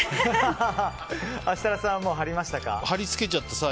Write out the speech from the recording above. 設楽さんはもう貼りましたか？